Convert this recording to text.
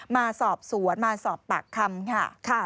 มาสอบสวนมาสอบปากคำค่ะ